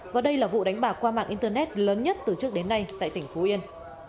và đây là vụ đánh bạc qua mạng internet lớn nhất từ trước đến nay tại tỉnh phú yên